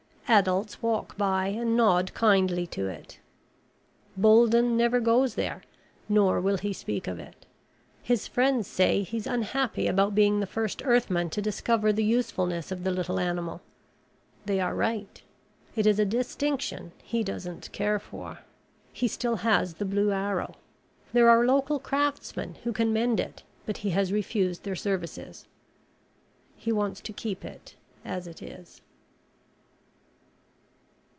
Adults walk by and nod kindly to it. Bolden never goes there nor will he speak of it. His friends say he's unhappy about being the first Earthman to discover the usefulness of the little animal. They are right. It is a distinction he doesn't care for. He still has the blue arrow. There are local craftsmen who can mend it, but he has refused their services. He wants to keep it as it is.